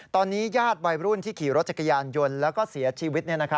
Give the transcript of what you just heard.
ตอนนี้ญาติวัยรุ่นที่ขี่รถจักรยานยนต์แล้วก็เสียชีวิต